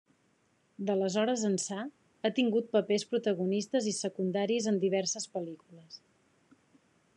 D'aleshores ençà, ha tingut papers protagonistes i secundaris en diverses pel·lícules.